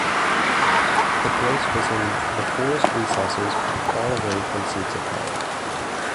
The place was in the forest recesses far away from seats of power.